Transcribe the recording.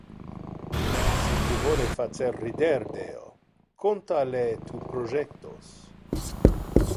Si tu vole facer rider Deo, conta Le tu projectos.